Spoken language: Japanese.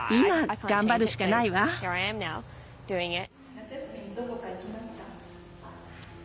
夏休みにどこか行きますか？